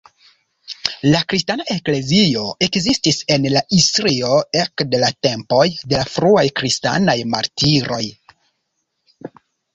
La kristana eklezio ekzistis en Istrio ekde la tempoj de la fruaj kristanaj martiroj.